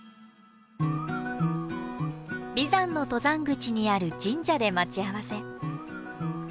眉山の登山口にある神社で待ち合わせ。